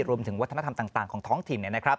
รวมถึงวัฒนธรรมต่างของท้องถิ่น